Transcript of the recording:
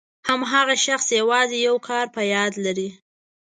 هماغه شخص یوازې یو کار په یاد لري.